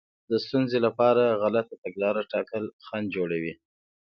د ستونزې لپاره غلطه تګلاره ټاکل خنډ جوړوي.